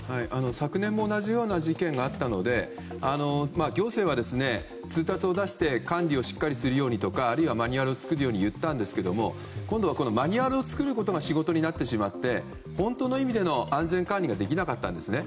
昨年も同じような事件があったので行政は、通達を出して管理をしっかりするようにとかマニュアルを作るようにと言ったんですが今度はマニュアルを作ることが仕事になってしまって本当の意味での安全管理ができなかったんですね。